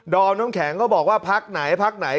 อมน้ำแข็งก็บอกว่าพักไหนพักไหน